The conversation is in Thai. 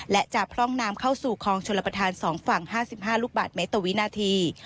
และจะพร่องน้ำเข้าสู่คลองชลประธาน๒ฝั่ง๕๕ลูกบาทเมตรวินาที